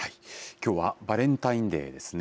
きょうはバレンタインデーですね。